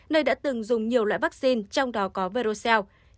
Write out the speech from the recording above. nơi đã từng dùng nhiều loại vaccine trong đó có veroxelle